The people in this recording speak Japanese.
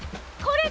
これ？